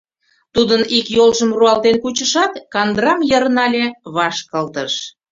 Тудын ик йолжым руалтен кучышат, кандырам йыр нале, ваш кылдыш.